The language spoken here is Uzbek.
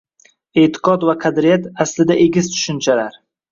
E`tiqod va qadriyat aslida egiz tushunchalar